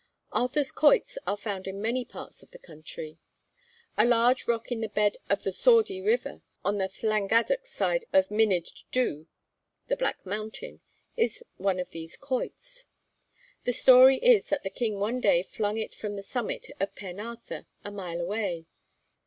Arthur's Quoits are found in many parts of the country. A large rock in the bed of the Sawdde river, on the Llangadock side of Mynydd Du, (the Black Mountain,) is one of these quoits. The story is that the king one day flung it from the summit of Pen Arthur, a mile away.